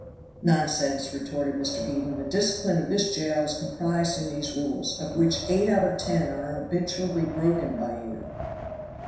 "Nonsense," retorted Mr. Eden. "The discipline of this jail is comprised in these rules, of which eight out of ten are habitually broken by you."